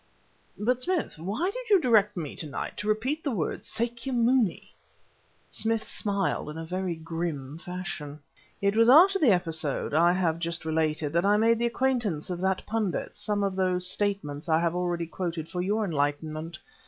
"But, Smith, why did you direct me to night to repeat the words, 'Sâkya Mûni'?" Smith smiled in a very grim fashion. "It was after the episode I have just related that I made the acquaintance of that pundit, some of whose statements I have already quoted for your enlightenment.